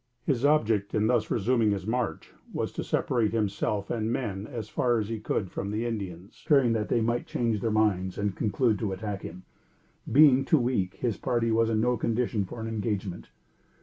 His object in thus resuming his march, was to separate himself and men as far as he could from the Indians, fearing that they might change their minds and conclude to attack him. Being too weak, his party was in no condition for an engagement.